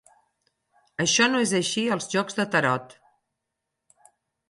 Això no és així als jocs de tarot.